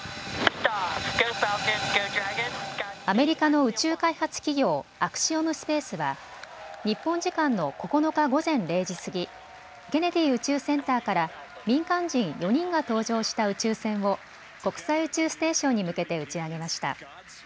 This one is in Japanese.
アメリカの宇宙開発企業、アクシオム・スペースは日本時間の９日午前０時過ぎ、ケネディ宇宙センターから民間人４人が搭乗した宇宙船を国際宇宙ステーションに向けて打ち上げました。